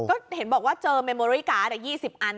ก็เห็นบอกว่าเจอเมโมรี่การ์ด๒๐อัน